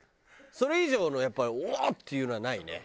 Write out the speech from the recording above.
それ以上のやっぱおっ！っていうのはないね。